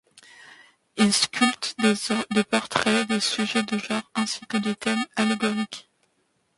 Il sculpte des portraits, des sujets de genre ainsi que des thèmes allégoriques.